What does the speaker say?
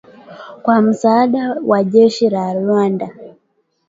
kwa msaada wa jeshi la Rwanda